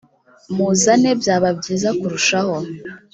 muzane byaba byiza kurushaho .